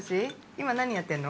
今何やってんの？